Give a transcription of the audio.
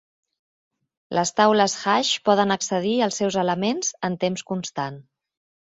Les taules hash poden accedir als seus elements en temps constant.